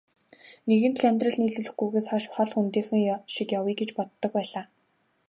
Нэгэнт л амьдрал нийлүүлэхгүйгээс хойш хол хөндийхөн шиг явъя гэж боддог байлаа.